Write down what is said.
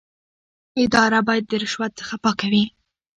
اداره باید د رشوت څخه پاکه وي.